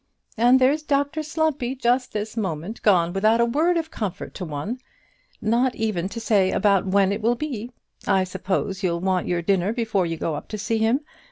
"And there's Dr Slumpy just this moment gone without a word to comfort one, not even to say about when it will be. I suppose you'll want your dinner before you go up to see him.